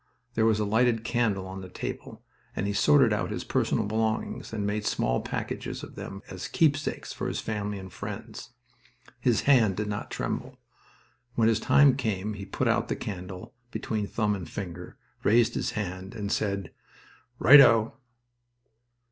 There was a lighted candle on the table, and he sorted out his personal belongings and made small packages of them as keepsakes for his family and friends. His hand did not tremble. When his time came he put out the candle, between thumb and finger, raised his hand, and said, "Right O!"